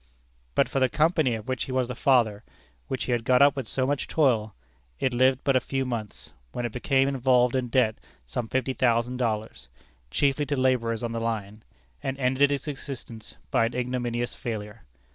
But for the company of which he was the father, which he had got up with so much toil, it lived but a few months, when it became involved in debt some fifty thousand dollars, chiefly to laborers on the line, and ended its existence by an ignominious failure.